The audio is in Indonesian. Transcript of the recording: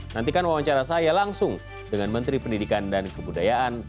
nantikan wawancara saya langsung dengan menteri pendidikan dan kebudayaan